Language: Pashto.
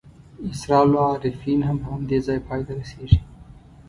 اسرار العارفین هم په همدې ځای پای ته رسېږي.